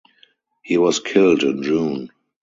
He was killed in June.